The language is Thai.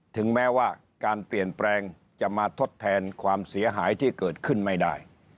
ถึงแม้ว่าการเปลี่ยนแปลงจะมาทดแทนความเสียหายที่เกิดขึ้นไม่ได้